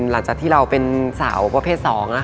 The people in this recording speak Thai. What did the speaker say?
หลังจากที่เราเป็นสาวประเภท๒